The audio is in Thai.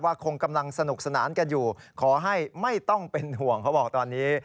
คงกำลังสนุกสนานกันอยู่ขอให้ไม่ต้องเป็นห่วงเขาบอกตอนนี้